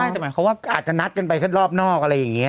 ใช่แต่เขาอาจจะนัดกันไปขึ้นรอบนอกอะไรอย่างนี้